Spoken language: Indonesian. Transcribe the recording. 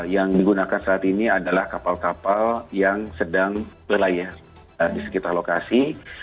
yang digunakan saat ini adalah kapal kapal yang sedang berlayah di sekitar lokasi